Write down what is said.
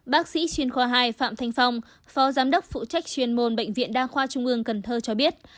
bác sĩ chuyên khoa hai phạm thanh phong phó giám đốc phụ trách chuyên môn bệnh viện đa khoa trung ương cần thơ cho biết